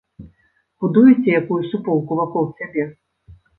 Будуеце якую суполку вакол сябе?